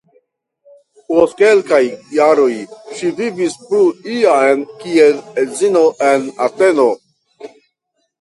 Post kelkaj jaroj ŝi vivis plu jam kiel edzino en Ateno.